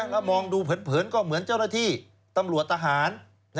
แล้วมองดูเผินก็เหมือนเจ้าหน้าที่ตำรวจทหาร